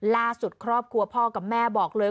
ล่าสุดครอบครัวพอกับแม่บอกเลย